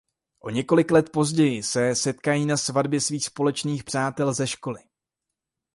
O několik let později se setkají na svatbě svých společných přátel ze školy.